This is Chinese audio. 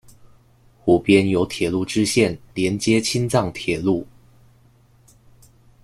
湖边有铁路支线连接青藏铁路。